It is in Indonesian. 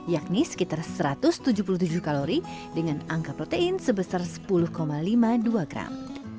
yakni sekitar satu ratus tujuh puluh tujuh kalori dengan angka protein sebesar sepuluh lima puluh dua gram